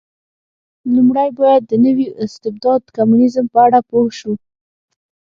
لومړی باید د نوي استبداد کمونېزم په اړه پوه شو.